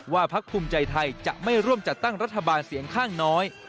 พักภูมิใจไทยจะไม่ร่วมจัดตั้งรัฐบาลเสียงข้างน้อย